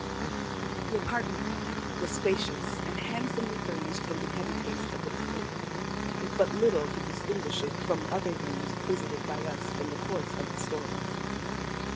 The apartment, then, was spacious and handsomely furnished in the heavy taste of the period, with but little to distinguish it from other rooms visited by us in the course of this story.